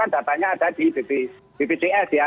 datanya ada di bpjs ya